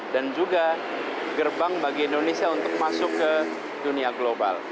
dan juga gerbang bagi indonesia untuk masuk ke dunia global